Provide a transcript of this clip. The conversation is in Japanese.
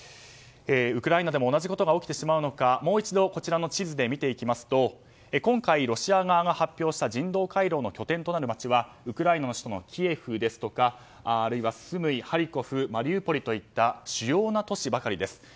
ウクライナでも同じことが起きてしまうのかもう一度こちらの地図で見ていきますと今回、ロシア側が発表した人道回廊の拠点となる街はウクライナの首都キエフですとかあるいはスムイ、ハリコフマリウポリといった主要な都市ばかりです。